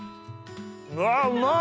うわうまい！